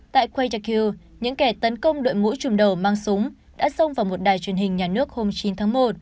tại cuechaquil những kẻ tấn công đội mũi chùm đầu mang súng đã xông vào một đài truyền hình nhà nước hôm chín tháng một